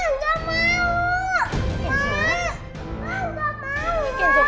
mak nggak mau